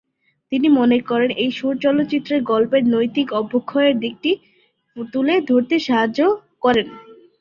তিনি মনে করেন এই সুর চলচ্চিত্রের গল্পের নৈতিক অবক্ষয়ের দিকটি তুলে ধরতে সাহায্য করে।